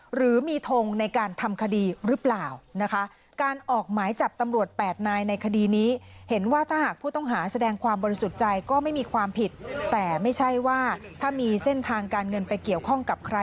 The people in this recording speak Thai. หรือมีทงในการทำคดีหรือเปล่านะคะ